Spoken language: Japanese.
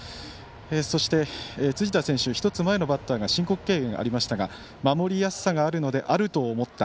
そして、辻田選手１つ前のバッターが申告敬遠がありましたが守りやすさがあるのであると思った。